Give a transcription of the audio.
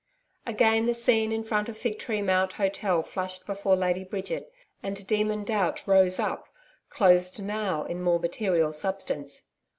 Again the scene in front of Fig Tree Mount Hotel flashed before Lady Bridget, and Demon Doubt rose up clothed now in more material substance.